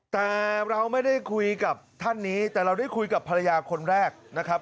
แต่เราไม่ได้คุยกับท่านนี้แต่เราได้คุยกับภรรยาคนแรกนะครับ